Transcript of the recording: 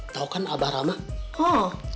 tau kan apa apaan